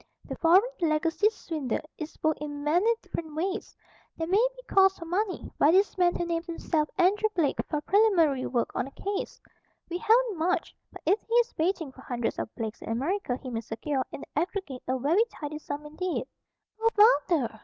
The 'foreign legacy swindle' is worked in many different ways. There may be calls for money, by this man who names himself Andrew Blake, for preliminary work on the case. We haven't much; but if he is baiting for hundreds of Blakes in America he may secure, in the aggregate, a very tidy sum indeed." "Oh, Father!"